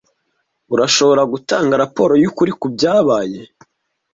Urashobora gutanga raporo yukuri kubyabaye?